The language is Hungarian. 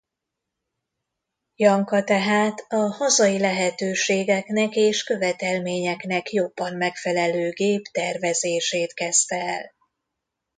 Janka tehát a hazai lehetőségeknek és követelményeknek jobban megfelelő gép tervezését kezdte el.